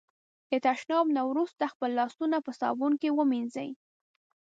د تشناب نه وروسته خپل لاسونه په صابون پاک ومېنځی.